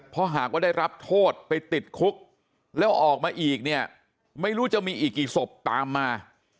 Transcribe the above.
เพราะหากว่าได้รับโทษไปติดคุกแล้วออกมาอีกเนี่ยไม่รู้จะมีอีกกี่ศพตามมา